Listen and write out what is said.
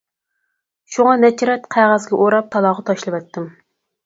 شۇڭا نەچچە رەت قەغەزگە ئوراپ تالاغا تاشلىۋەتتىم.